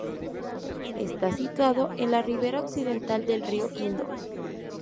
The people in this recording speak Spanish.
Está situado en la rivera occidental del Río Indo.